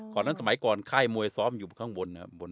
ก่อนนั้นสมัยก่อนค่ายมวยซ้อมอยู่ข้างบนนะครับ